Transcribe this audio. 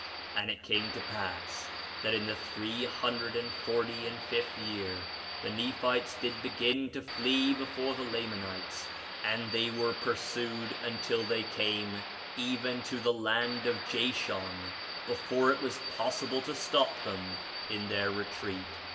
2:16 And it came to pass that in the three hundred and forty and fifth year the Nephites did begin to flee before the Lamanites; and they were pursued until they came even to the land of Jashon, before it was possible to stop them in their retreat.